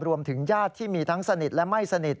ญาติที่มีทั้งสนิทและไม่สนิท